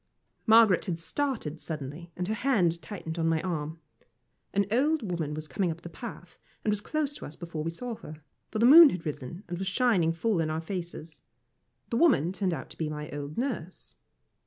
Margaret had started suddenly, and her hand tightened on my arm. An old woman was coming up the path, and was close to us before we saw her, for the moon had risen, and was shining full in our faces. The woman turned out to be my old nurse.